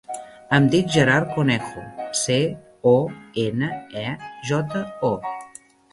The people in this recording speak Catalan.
Em dic Gerard Conejo: ce, o, ena, e, jota, o.